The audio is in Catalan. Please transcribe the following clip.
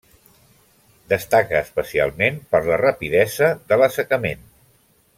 Destaca especialment per la rapidesa de l'assecament.